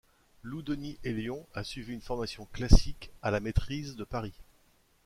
Loup-Denis Elion a suivi une formation classique à la Maîtrise de Paris.